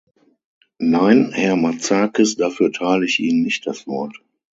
Nein, Herr Matsakis, dafür erteile ich Ihnen nicht das Wort.